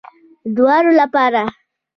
دواړو لپاره